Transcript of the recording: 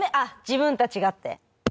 自分たちがって？